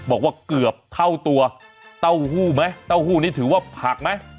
บอกว่าเกือบเท่าตัวเต้าหู้ไหมเต้าหู้นี่ถือว่าผักไหม